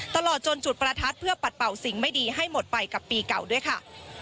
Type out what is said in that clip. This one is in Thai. ตลอดจนจุดประทัดเพื่อปัดเป่าสิ่งไม่ดีให้หมดไปกับปีเก่าด้วยค่ะ